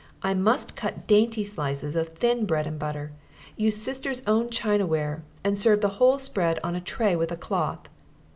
I must cut dainty slices of thin bread and butter, use Sister's own china ware, and serve the whole spread on a tray with a cloth.